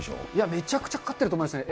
めちゃくちゃかかってると思いますね。